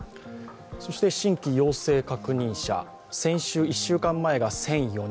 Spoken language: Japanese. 新規陽性確認者、１週間前が１００４人